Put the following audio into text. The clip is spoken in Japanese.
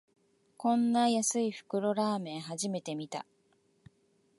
こんな安い袋ラーメン、初めて見た